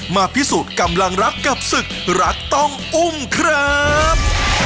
มาพิสูจน์กำลังรักกับศึกรักต้องอุ้มครับ